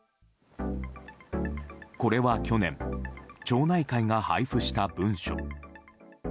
これは去年町内会が配布した文書。